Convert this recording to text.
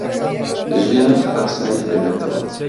ژیان ئاسایی دەبێتەوە.